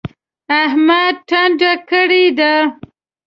احمد ټنډه کړې ده.